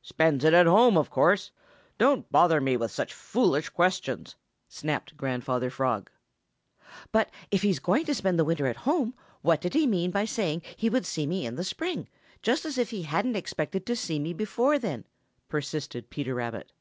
"Spends it at home, of course. Don't bother me with such foolish questions!" snapped Grandfather Frog. "But if he is going to spend the winter at home, what did he mean by saying that he would see me in the spring, just as if he didn't expect to see me before then?" persisted Peter Rabbit.